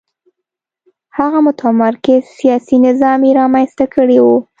هغه متمرکز سیاسي نظام یې رامنځته کړی و.